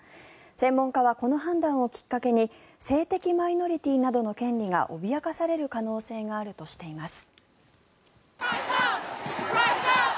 専門家はこの判断をきっかけに性的マイノリティーなどの権利が脅かされる可能性があるとしています。